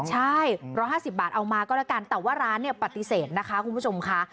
ใช่๑๕๐บาทเอามาก็แล้วกันแต่ว่าร้านเนี่ยปฏิเสธนะคะคุณผู้ชมค่ะ